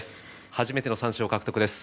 初めての三賞獲得です。